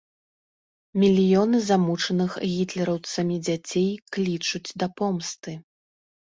Мільёны замучаных гітлераўцамі дзяцей клічуць да помсты.